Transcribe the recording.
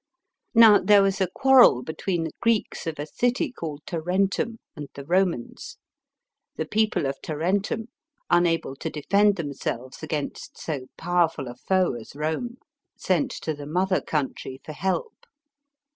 Now there was a quarrel between the Greeks of a city called Tarentum and the Romans. The people of Tarentum, unable to defend themselves against so powerful a foe as Rome, sent to the mother country for help.